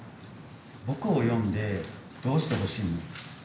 僕を呼んでどうしてほしいの？